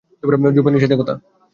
ঝোপের নিচে দেখ তো।